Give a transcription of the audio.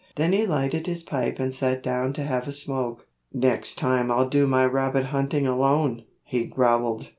Then he lighted his pipe and sat down to have a smoke. "Next time I'll do my rabbit hunting alone," he growled.